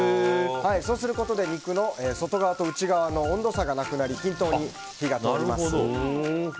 そうすることで肉の外側と内側の温度差がなくなり均等に火が通ります。